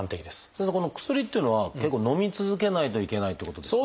先生この薬というのは結構のみ続けないといけないってことですか？